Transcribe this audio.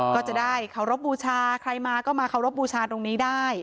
ก็จะได้เคารพบูชาใครมาก็มาเคารพบูชาตรงนี้ได้